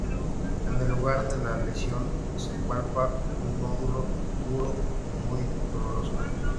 En el lugar de la lesión se palpa un nódulo duro y muy doloroso.